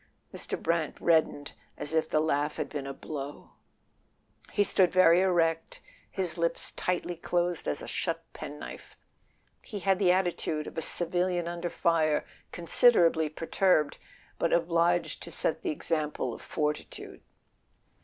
Mr. Brant reddened as if the laugh had been a blow. [ 250 ] A SON AT THE FRONT He stood very erect, his lips as tightly closed as a shut penknife. He had the attitude of a civilian under fire, considerably perturbed, but obliged to set the example of fortitude.